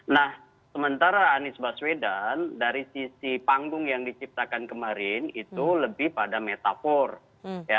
nah sementara anies baswedan dari sisi panggung yang diciptakan kemarin itu lebih pada metafor